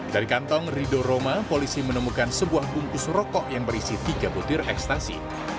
dari kantong rido roma polisi menemukan sebuah bungkus rokok yang berisi tiga butir ekstasi